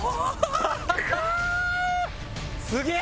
すげえ！